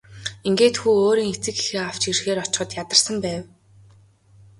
Ингээд хүү өөрийн эцэг эхээ авч ирэхээр очиход ядарсан байв.